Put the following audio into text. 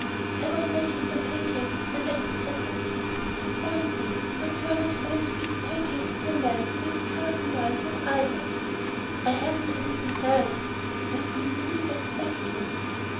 "I was making some pancakes and apple fritters." "So I see, but you're not going to give pancakes to a man who has covered the miles that I have." "I haven't anything else. You see we didn't expect you."